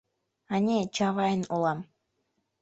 — Ане, Чавайн улам.